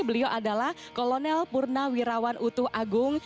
beliau adalah kolonel purna wirawan utu agung